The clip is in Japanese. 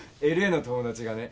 ＬＡの友達がね